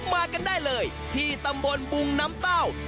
มากันได้เลยที่ตำบลบุงน้ำเต้า